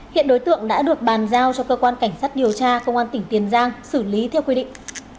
hiện đối tượng đã được bàn giao cho cơ quan cảnh sát điều tra công an tỉnh tiền giang xử lý theo quy định